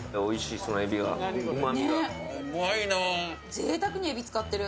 ぜいたくにえび使ってる。